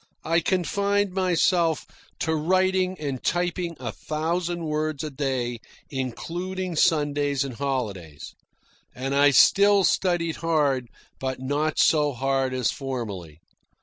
I confined myself to writing and typing a thousand words a day, including Sundays and holidays; and I still studied hard, but not so hard as formerly.